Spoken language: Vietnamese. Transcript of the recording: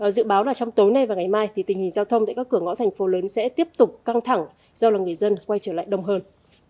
dự báo là trong tối nay và ngày mai thì tình hình giao thông tại các cửa ngõ thành phố lớn sẽ tiếp tục căng thẳng do là người dân quay trở lại đông hơn